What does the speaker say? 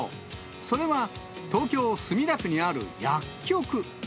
それは、東京・墨田区にある薬局。